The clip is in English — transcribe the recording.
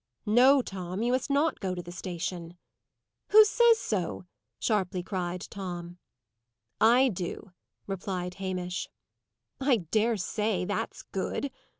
"No, Tom. You must not go to the station." "Who says so?" sharply cried Tom. "I do," replied Hamish. "I dare say! that's good!"